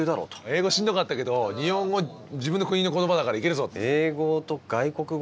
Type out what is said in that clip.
英語しんどかったけど日本語自分の国の言葉だからいけるぞって。